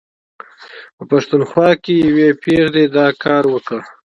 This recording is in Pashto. په پښتونخوا کې یوې پېغلې دا کار وکړ.